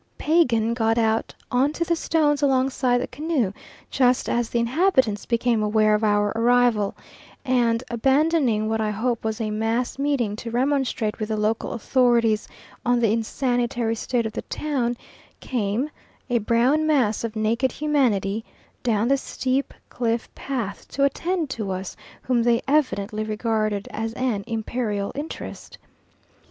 Pagan got out on to the stones alongside the canoe just as the inhabitants became aware of our arrival, and, abandoning what I hope was a mass meeting to remonstrate with the local authorities on the insanitary state of the town, came a brown mass of naked humanity down the steep cliff path to attend to us, whom they evidently regarded as an Imperial interest.